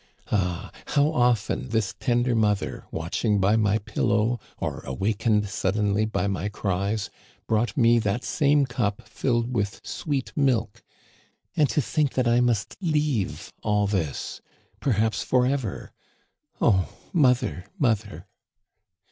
Ah ! how often this tender mother, watching by my pillow, or awakened suddenly by my cries, brought me that same cup filled with sweet milk ! And to think that I must leave all this — perhaps forever ! O mother, mother